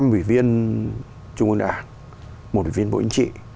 năm vị viên trung quốc đảng một vị viên bộ yên chị